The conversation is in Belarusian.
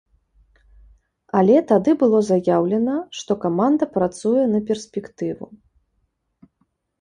Але тады было заяўлена, што каманда працуе на перспектыву.